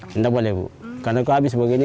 tidak boleh karena kalau habis seperti ini